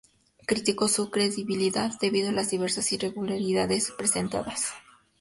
Criticó su credibilidad debido a las diversas irregularidades presentadas.